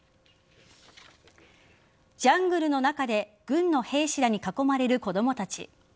ジャングルの中で軍の兵士らに囲まれる子供たち。